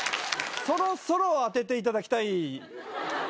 そろそろ当てていただきたいです。